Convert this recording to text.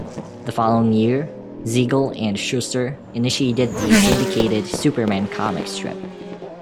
The following year, Siegel and Shuster initiated the syndicated "Superman" comic strip.